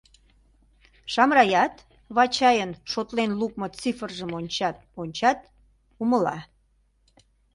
Шамраят Вачайын шотлен лукмо цифржым онча-ончат, умыла.